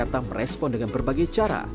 membuat warga jakarta merespon dengan berbagai cara